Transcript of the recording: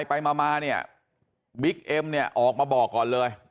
ไปมาเนี่ยบิ๊กเอ็มเนี่ยออกมาบอกก่อนเลย